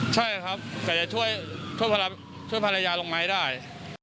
ใช่ครับกะอย่ายช่วยภรรยาลงม้ายได้